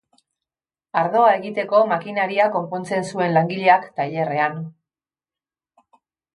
Ardoa egiteko makinaria konpontzen zuen langileak tailerrean.